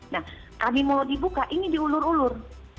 nah kami mau dibuka ini diulur ulur